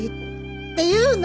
っていうの？